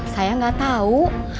saya nggak tahu